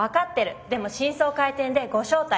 でも新装開店でご招待。